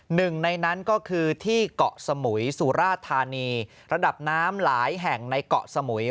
หนึ่งในนั้นก็คือที่เกาะสมุยสุราธานีระดับน้ำหลายแห่งในเกาะสมุย